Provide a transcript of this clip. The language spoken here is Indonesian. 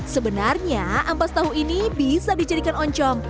sebenarnya ampas tahu ini bisa dijadikan oncom